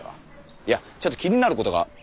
いやちょっと気になることが。